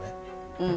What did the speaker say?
うん。